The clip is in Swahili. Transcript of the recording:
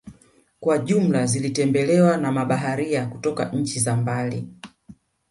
Kwa jumla zilitembelewa na mabaharia kutoka nchi za mbali